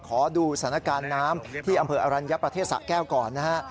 ขอดูสถานการณ์น้ำที่อำเภออรัญญประเทศสะแก้วก่อนนะฮะ